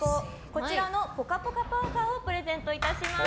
こちらのぽかぽかパーカをプレゼントいたします！